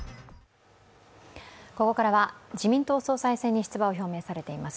ここからは自民党総裁選に出馬を表明されています